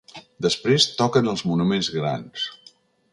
Després, toquen els monuments grans.